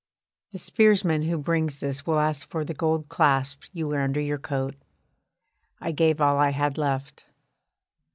The spearsman who brings this will ask for the gold clasp you wear under your coat. I gave all I had left.